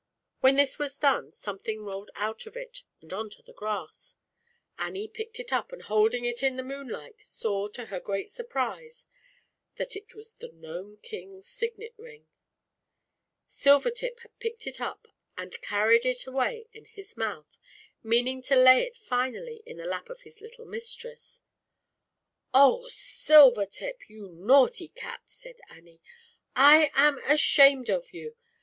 When this was done, something rolled out of it and on to the grass. Annie picked it up, and holding it in the moonlight, saw to her great surprise, that it was the Gnome King's Signet Ring. Silvertip had picked it up and carried it away in his mouth, meaning to lay it finally in the lap of his little mistress. Oh, Silvertip! You naughty Cat!" said Annie. "I am ashamed of you!